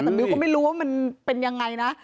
แต่มิวก็ไม่รู้ว่ามันเป็นยังไงนะ